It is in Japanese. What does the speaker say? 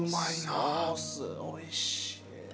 ソースおいしい。